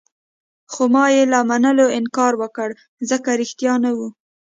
خو ما يې له منلو انکار وکړ، ځکه ريښتیا نه وو.